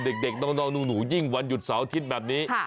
เด็กเด็กน้องน้องหนูหนูยิ่งวันหยุดเสาร์อาทิตย์แบบนี้ค่ะ